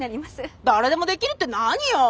誰でもできるって何よ！